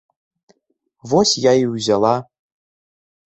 Вось я і ўзяла.